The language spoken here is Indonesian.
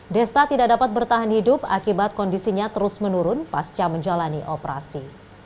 desta tidak dapat bertahan hidup akibat kondisinya terus menurun pasca menjalani operasi